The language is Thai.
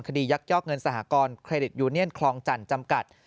ยักยอกเงินสหกรณ์เครดิตยูเนียนคลองจันทร์จำกัด